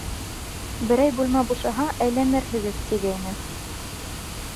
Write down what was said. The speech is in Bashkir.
Берәй бүлмә бушаһа әйләнерһегеҙ, тигәйне.